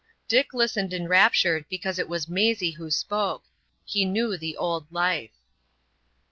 Dick listened enraptured because it was Maisie who spoke. He knew the old life.